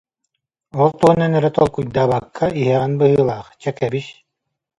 Ол туһунан эрэ толкуйдаабакка иһэҕин быһыылаах, чэ, кэбис